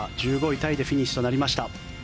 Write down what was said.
１５位タイでフィニッシュとなりました。